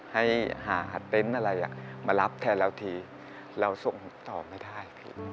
ให้หาเต็นต์อะไรมารับแทนเราทีเราส่งต่อไม่ได้